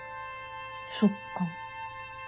そっか。